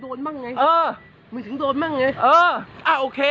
โอเคเออทำไม